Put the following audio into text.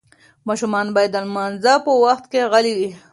ماشومان باید د لمانځه په وخت کې غلي وي.